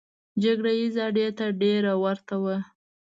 جګړه ییزې اډې ته ډېره ورته وه.